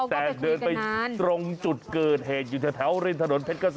แต่เดินไปตรงจุดเกิดเหตุอยู่แถวริมถนนเพชรเกษม